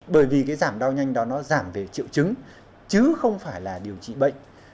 bởi vì cái giảm đau nhanh đó nó giảm về triệu chứng chứ không phải là điều trị bệnh